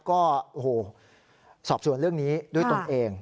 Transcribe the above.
ก็สอบส่วนเรื่องนี้ด้วยตนเอง